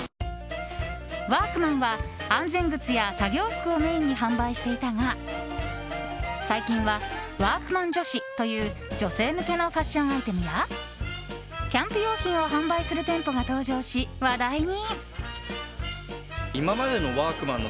ワークマンは安全靴や作業服をメインに販売していたが最近はワークマン女子という女性向けのファッションアイテムやキャンプ用品を販売する店舗が登場し、話題に。